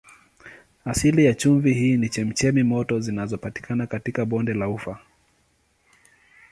Asili ya chumvi hii ni chemchemi moto zinazopatikana katika bonde la Ufa.